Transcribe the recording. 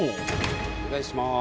お願いします。